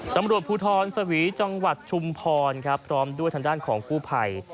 ตำรวจภูทรสวีจังหวัดชุมพรครับพร้อมด้วยทางด้านของกู้ภัย